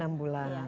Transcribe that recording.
oh enam bulan